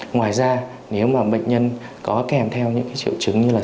ngoài ra nếu mà bệnh nhân có kèm theo những triệu chứng như là